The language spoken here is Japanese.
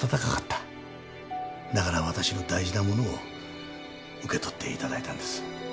だから私の大事なものを受け取っていただいたんです。